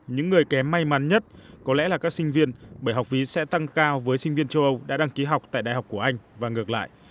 những người kém may mắn nhất có lẽ là các sinh viên bởi học phí sẽ tăng cao với sinh viên châu âu đã đăng ký học tại đại học của anh và ngược lại